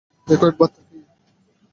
দ্যাখো একবার তাকিয়ে।